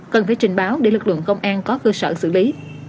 cần phải trình báo để lực lượng công an có cơ sở xử lý